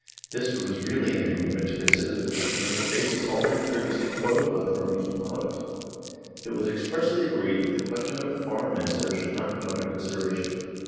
This was really an agreement to consider the question on the basis already previously 72 NORWAY AND THE UNION WITH SWEDEN proposed by the Norwegian Parliament. It was expressly agreed that the question of the Foreign Minister should not come under consideration.